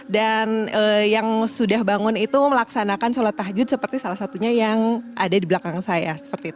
dan yang sudah bangun itu melaksanakan sholat tahjud seperti salah satunya yang ada di belakang saya